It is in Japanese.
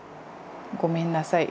ごめんなさい。